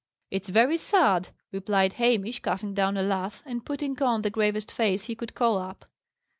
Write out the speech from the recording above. "It's very sad!" replied Hamish, coughing down a laugh, and putting on the gravest face he could call up.